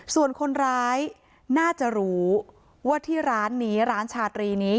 ส่วนคนร้ายน่าจะรู้ว่าที่ร้านนี้ร้านชาตรีนี้